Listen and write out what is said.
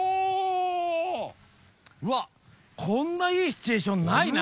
こんないいシチュエーションないな。